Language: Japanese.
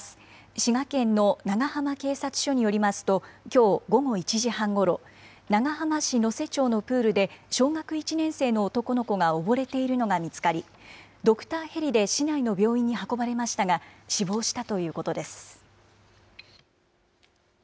滋賀県の長浜警察署によりますと、きょう午後１時半ごろ、長浜市野瀬町のプールで、小学１年生の男の子がおぼれているのが見つかり、ドクターヘリで市内の病院に運ばれましたが、死亡したということです。